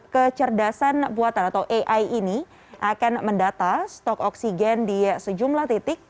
kecerdasan buatan atau ai ini akan mendata stok oksigen di sejumlah titik